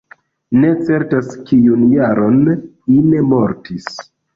Ne certas kiun jaron Ine mortis.